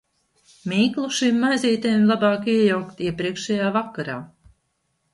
Mīklu šīm maizītēm labāk iejaukt iepriekšējā vakarā.